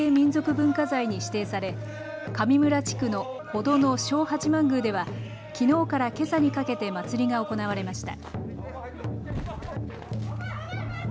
文化財に指定され上村地区の程野・正八幡宮ではきのうからけさにかけて祭りが行われました。